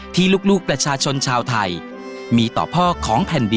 ที่ลูกประชาชนชาวไทยมีต่อพ่อของแผ่นดิน